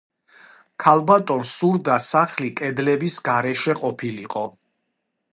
ქალბატონს სურდა სახლი კედლების გარეშე ყოფილიყო.